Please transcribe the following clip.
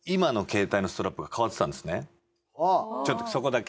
ちょっとそこだけ。